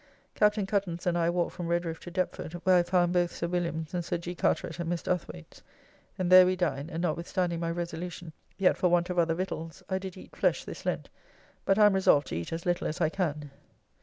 Capt. Cuttance and I walked from Redriffe to Deptford, where I found both Sir Williams and Sir G. Carteret at Mr. Uthwayt's, and there we dined, and notwithstanding my resolution, yet for want of other victualls, I did eat flesh this Lent, but am resolved to eat as little as I can.